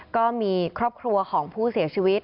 ก็มีครอบครัวของผู้เสียชีวิต